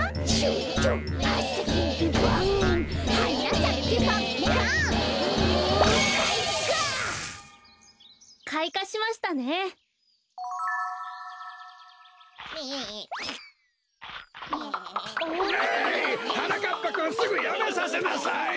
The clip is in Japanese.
ううはなかっぱくんすぐやめさせなさい！